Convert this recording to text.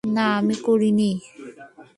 না, আমি করিনি!